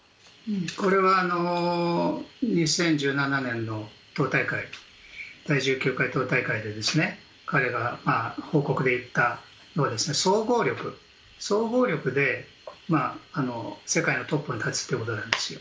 これは２０１７年の党大会第１９回党大会で彼が報告で言ったのは総合力で世界のトップに立つということなんです。